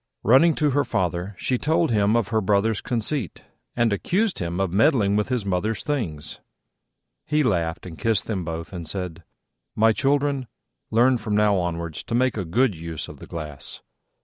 Running to her father, she told him of her Brother's conceit, and accused him of meddling with his mother's things. He laughed and kissed them both, and said, "My children, learn from now onwards to make a good use of the glass.